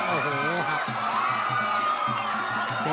โอ้โหหัก